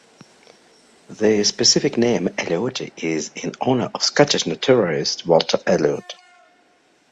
The specific name, "ellioti", is in honor of Scottish naturalist Walter Elliot.